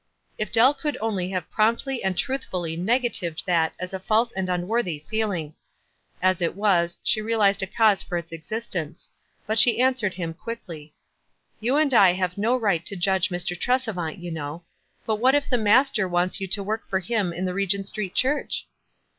If Dell could only have promptly and truth fully negatived that as a false and unworthy feeling ! As it was, she realized a cause for its existence ; but she answered him, quickly, — "You and I have no right to judge Mr. Tresevant, you know. But what if the Master wants you to work for him in the Regent Street Church?"